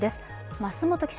桝本記者